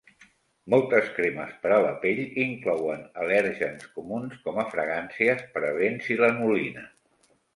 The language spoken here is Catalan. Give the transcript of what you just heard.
Moltes cremes per a la pell inclouen al·lèrgens comuns com a fragàncies, parabens i lanolina.